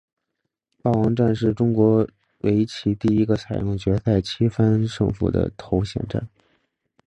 霸王战是中国围棋第一个采用决赛七番胜负的头衔战。